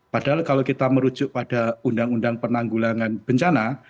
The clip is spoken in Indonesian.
padahal kalau kita merujuk pada undang undang penanggulangan bencana